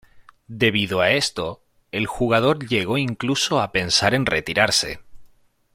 Debido a esto, el jugador llegó incluso a pensar en retirarse.